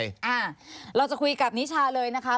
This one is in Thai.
อ่าเราจะคุยกับนิชาเลยนะคะ